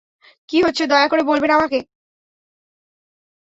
কী হচ্ছে, দয়া করে বলবেন আমাকে?